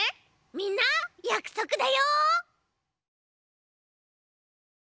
みんなやくそくだよ！